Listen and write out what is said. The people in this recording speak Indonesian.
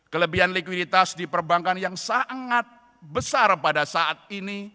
kelebihan likuiditas di perbankan yang sangat besar pada saat ini